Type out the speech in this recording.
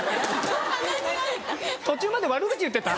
途中まで悪口言ってた？